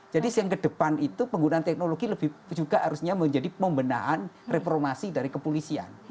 jadi yang ke depan itu penggunaan teknologi lebih juga harusnya menjadi pembenahan reformasi dari kepolisian